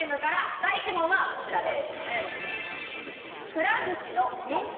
第１問はこちらです。